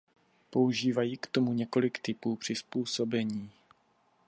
Používají k tomu několik typů přizpůsobení.